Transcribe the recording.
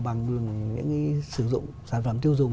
bằng những sử dụng sản phẩm tiêu dùng